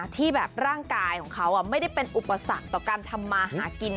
ที่แบบร่างกายของเขาไม่ได้เป็นอุปสรรคต่อการทำมาหากิน